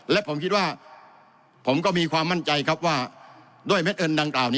และผมคิดว่าผมก็มีความมั่นใจครับว่า